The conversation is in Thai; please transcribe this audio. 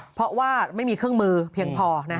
เพราะว่าไม่มีเครื่องมือเพียงพอ